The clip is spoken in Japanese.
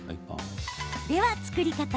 では、作り方。